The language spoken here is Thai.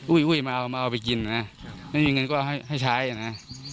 อุ้ยอุ้ยมาเอามาเอาไปกินอ่ะไม่มีเงินก็เอาให้ให้ใช้อ่ะน่ะ